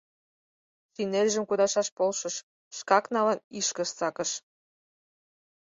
Шинельжым кудашаш полшыш, шкак, налын, ишкыш сакыш.